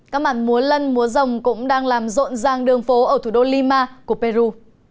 các màn múa lân múa rồng cũng đang làm rộn ràng đường phố ở thủ đô lima của peru